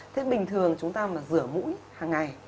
thế bình thường chúng ta mà rửa mũi hàng ngày